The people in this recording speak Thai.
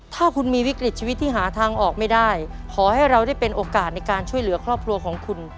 ถ้าคุณมีวิกฤตชีวิตที่หาทางออกไม่ได้ขอให้เราได้เป็นโอกาสในการช่วยเหลือครอบครัวของคุณ